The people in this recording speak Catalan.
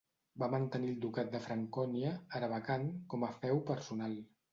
Va mantenir el ducat de Francònia, ara vacant, com a feu personal.